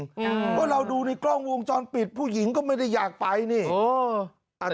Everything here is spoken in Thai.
เพราะเราดูในกล้องวงจรปิดผู้หญิงก็ไม่ได้อยากไปนี่โอ้อันนี้